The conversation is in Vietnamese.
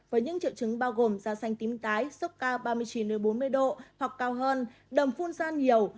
với những triệu chứng bao gồm da xanh tím tái sốc cao ba mươi chín bốn mươi độ hoặc cao hơn đầm phun gian nhiều